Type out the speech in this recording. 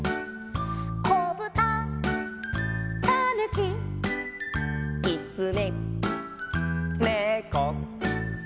「こぶた」「たぬき」「きつね」「ねこ」